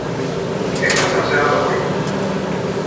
Έφθασαν σε άλλο χωριό